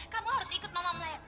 kamu harus ikut mama melayang